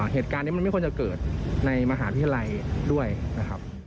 เหตุการณ์นี้มันไม่ควรจะเกิดในมหาวิทยาลัยด้วยนะครับ